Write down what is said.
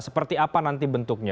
seperti apa nanti bentuknya